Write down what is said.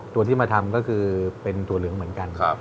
ตัวที่มาทำก็คือเป็นตัวเหลืองเหมือนกัน